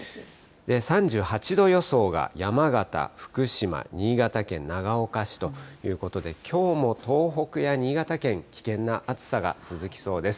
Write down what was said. ３８度予想が山形、福島、新潟県長岡市ということで、きょうも東北や新潟県、危険な暑さが続きそうです。